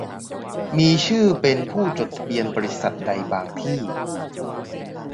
มีชื่อเป็นผู้จดทะเบียนบริษัทใดบ้างที่